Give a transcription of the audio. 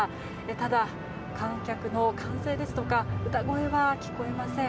ただ、観客の歓声ですとか歌声は聞こえません。